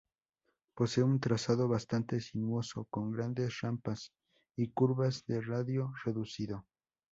Posee un trazado bastante sinuoso, con grandes rampas y curvas de radio reducido.